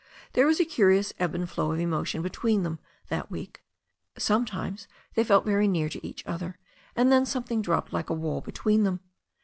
There was a curious ebb and flow of emotion between them that week. Sometimes they felt very near to each other, and then something dropped like a wall between them.